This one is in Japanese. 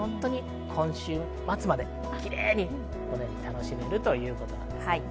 今週末までキレイに楽しめるということです。